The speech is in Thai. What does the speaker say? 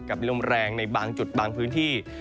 ลมแรงในบางจุดบางพื้นที่